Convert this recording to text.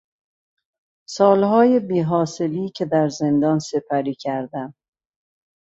سالهای بیحاصلی که در زندان سپری کردم